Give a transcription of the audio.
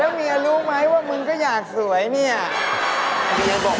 แล้วเมียรู้ไหมว่ามึงก็อยากสวยเมีย